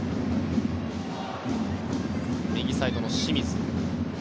右サイドの清水。